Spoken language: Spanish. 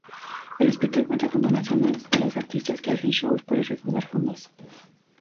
El hospital cuenta con donaciones de los artistas que hacen shows para recaudar fondos.